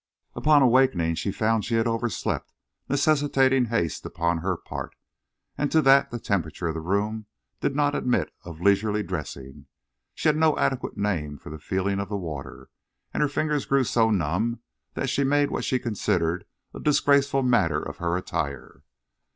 Upon awakening she found she had overslept, necessitating haste upon her part. As to that, the temperature of the room did not admit of leisurely dressing. She had no adequate name for the feeling of the water. And her fingers grew so numb that she made what she considered a disgraceful matter of her attire.